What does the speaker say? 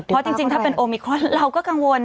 เพราะจริงถ้าเป็นโอมิครอนเราก็กังวล